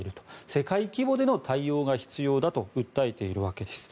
世界規模での対応が必要だと訴えているわけです。